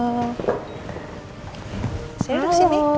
nunggu kabar dari andien siapa tau nanti sebentar aja